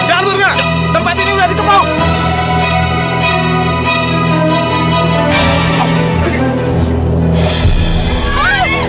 jangan lupa like share dan subscribe ya